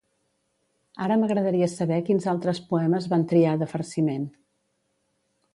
Ara m'agradaria saber quins altres poemes van triar de farciment.